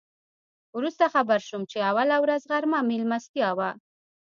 وروسته خبر شوم چې اوله ورځ غرمه میلمستیا وه.